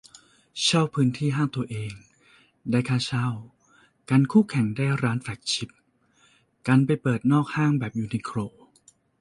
เช่าพื้นที่ห้างตัวเอง ได้ค่าเช่า กันคู่แข่งได้ร้านแฟลกชิป กันไปเปิดนอกห้างแบบยูนิโคล